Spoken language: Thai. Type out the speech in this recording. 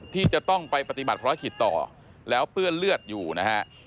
ที่จะต้องไปปฏิบัติภารกิจต่อแล้วเปื้อนเลือดอยู่นะฮะ